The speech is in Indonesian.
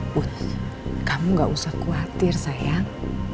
put kamu gak usah khawatir sayang